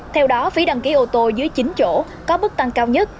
theo đó phí đăng ký ô tô dưới chín chỗ có mức tăng cao nhất